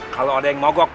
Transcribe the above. kalau ada yang mogok